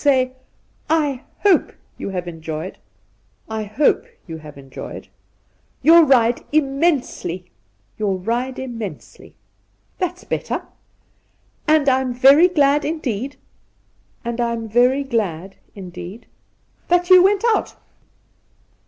Say, " I hope you have enjoyed "'' I hope you have enjoyed ' ^t^ '" Your ride immensely !"'' Your ride immsnsely !'' That's, better. " And I'm very glad in deed "'' And I'm very glad indeed ''" That you went out."